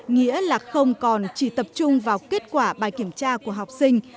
nghĩa là không còn chỉ tập trung vào kết quả bài kiểm tra của học sinh